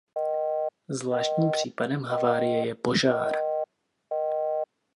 Zvláštním případem havárie je požár.